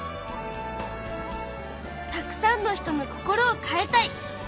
たくさんの人の心を変えたい。